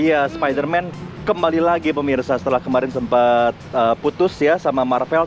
iya spiderman kembali lagi pemirsa setelah kemarin sempet putus ya sama marvel